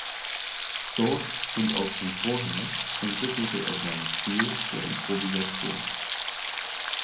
Dort und auch schon vorher entwickelte er seinen Stil der Improvisation.